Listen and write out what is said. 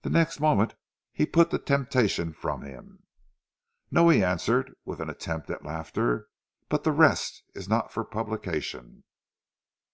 The next moment he put the temptation from him. "No," he answered with an attempt at laughter, "but the rest is not for publication."